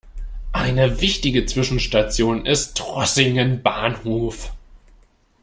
Eine wichtige Zwischenstation ist Trossingen Bahnhof.